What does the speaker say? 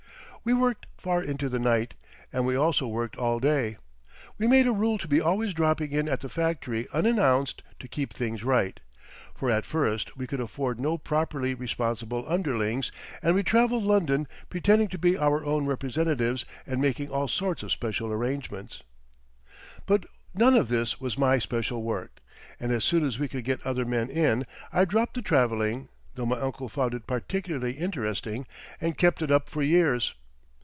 We worked far into the night—and we also worked all day. We made a rule to be always dropping in at the factory unannounced to keep things right—for at first we could afford no properly responsible underlings—and we traveled London, pretending to be our own representatives and making all sorts of special arrangements. But none of this was my special work, and as soon as we could get other men in, I dropped the traveling, though my uncle found it particularly interesting and kept it up for years.